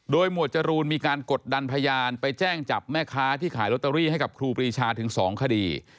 หมวดจรูนมีการกดดันพยานไปแจ้งจับแม่ค้าที่ขายลอตเตอรี่ให้กับครูปรีชาถึง๒คดี